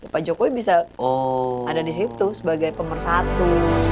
pak jokowi bisa ada di situ sebagai pemersatu